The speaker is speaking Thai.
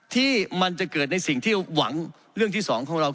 ที่มันจะเกิดในสิ่งที่หวังเรื่องที่สองของเรา